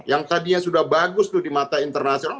yang tadinya sudah bagus tuh di mata internasional